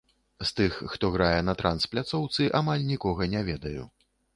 З тых, хто грае на транс-пляцоўцы, амаль нікога не ведаю.